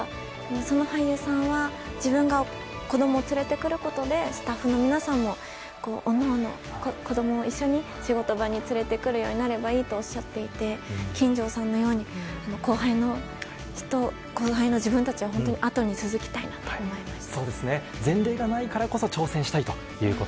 その俳優さんは自分が子供を連れてくることでスタッフの皆さんもおのおの子供を一緒に仕事場に連れてくるようになればいいとおっしゃっていて金城さんのように後輩の自分たちは後に続きたいなと思いました。